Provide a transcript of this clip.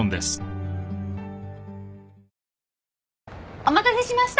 お待たせしました！